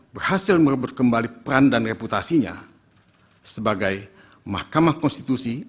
berhasil merebut kembali peran dan reputasinya sebagai mahkamah konstitusi